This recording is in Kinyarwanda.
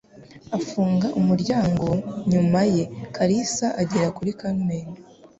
Afunga umuryango nyuma ye, Kalisa agera kuri Carmen.